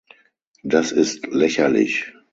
Das ist lächerlich!